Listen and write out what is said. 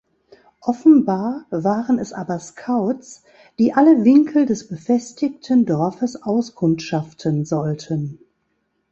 Offenbar waren es aber Scouts, die alle Winkel des befestigten Dorfes auskundschaften sollten.